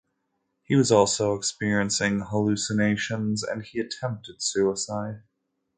He was also experiencing hallucinations and he attempted suicide.